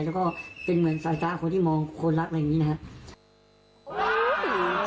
แล้วก็เป็นเหมือนสายตาคนที่มองคนรักอะไรอย่างนี้นะครับ